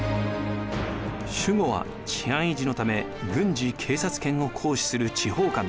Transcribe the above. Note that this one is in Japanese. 守護は治安維持のため軍事・警察権を行使する地方官です。